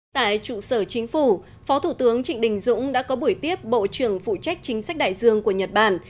tại trụ sở chính phủ phó thủ tướng trịnh đình dũng đã có buổi tiếp bộ trưởng phụ trách chính sách đại dương của nhật bản